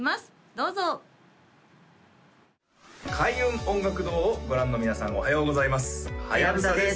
どうぞ開運音楽堂をご覧の皆さんおはようございますはやぶさです